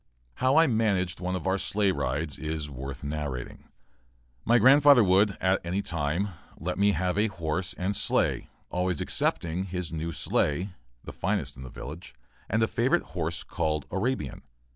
How I managed at one of our sleigh rides is worth narrating. My grandfather would, at any time, let me have a horse and sleigh, always excepting his new sleigh, the finest in the village, and a favorite horse called "Arabian."